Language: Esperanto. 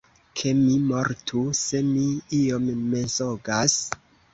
Ke mi mortu, se mi iom mensogas!